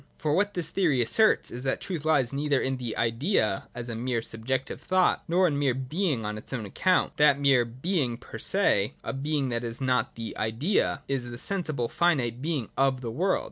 70.] For, what this theory asserts is that truth lies neither in the Idea as a merely subjective thought, nor in mere being on its own account ;— that mere being per se, a being that is not of the Idea, is the sensible finite being of the world.